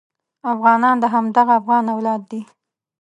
افغانان د همدغه افغان اولاد دي.